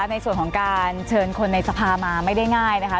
ในส่วนของการเชิญคนในสภามาไม่ได้ง่ายนะคะ